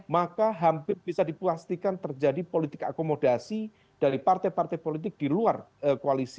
maka hampir bisa dipuastikan terjadi politik akomodasi dari partai partai politik di luar koalisi